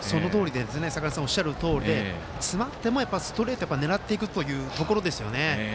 坂梨さんおっしゃるとおりストレートを狙っていくというところですね。